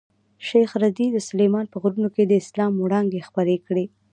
شېخ رضي د سلېمان په غرو رغو کښي د اسلام وړانګي خپرې کړي دي.